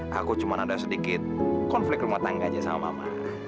aku cuma ada sedikit konflik rumah tangga aja sama mama